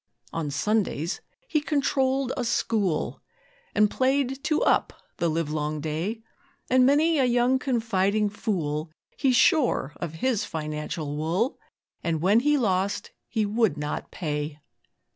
On Sundays he controlled a 'school', And played 'two up' the livelong day; And many a young confiding fool He shore of his financial wool; And when he lost he would not pay.